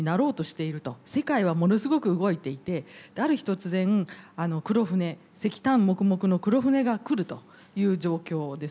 世界はものすごく動いていてある日突然黒船石炭モクモクの黒船が来るという状況です。